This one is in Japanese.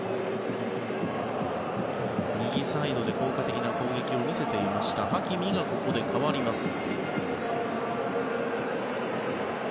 右サイドで効果的な攻撃を見せていましたハキミが、ここで代わります。